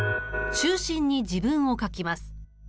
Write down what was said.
中心に自分を描きます。